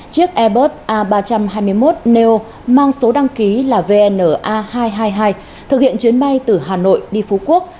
chiếc airbus a ba trăm hai mươi một neo mang số đăng ký là vna hai trăm hai mươi hai thực hiện chuyến bay từ hà nội đi phú quốc